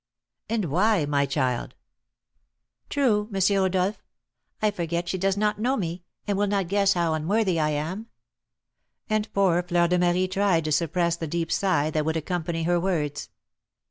"And why, my child?" "True, M. Rodolph; I forget she does not know me, and will not guess how unworthy I am." And poor Fleur de Marie tried to suppress the deep sigh that would accompany her words.